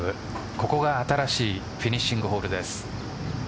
ここが新しいフィニッシングホールです。